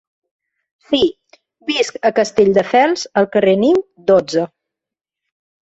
Sí, visc a Castelldefels al carrer niu, dotze.